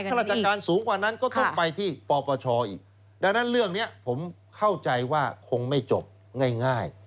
ราชการสูงกว่านั้นก็ต้องไปที่ปปชอีกดังนั้นเรื่องนี้ผมเข้าใจว่าคงไม่จบง่าย